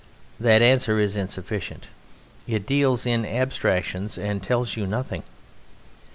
That answer is insufficient. It deals in abstractions and it tells you nothing.